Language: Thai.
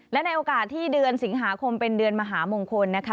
และในโอกาสที่เดือนสิงหาคมเป็นเดือนมหามงคลนะคะ